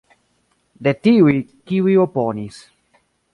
De tiuj, kiuj oponis.